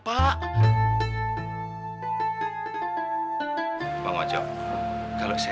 pak sultoni saya datang kemari mau minta bantuan bapak